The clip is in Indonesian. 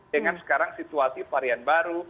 dengan sekarang situasi varian baru